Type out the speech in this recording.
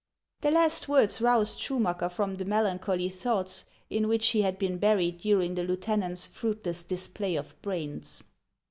The last words roused Schumacker from the melancholy thoughts in which he had been buried during the lieuten ant's fruitless display of brains.